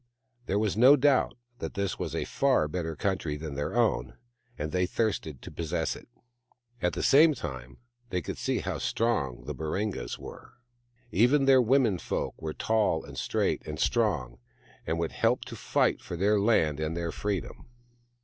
There was no doubt that this was a far better country than their own, and they thirsted to possess it. At the same time they could see how strong the Baringas were. Even their womenfolk were tall and straight and strong, and would help to fight for their land and their freedom.